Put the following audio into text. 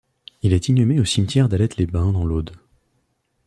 Il est inhumé au cimetière d'Alet-les-Bains dans l'Aude.